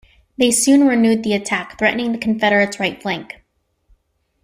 They soon renewed the attack, threatening the Confederate's right flank.